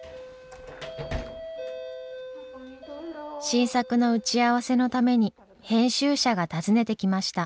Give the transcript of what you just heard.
新作の打ち合わせのために編集者が訪ねてきました。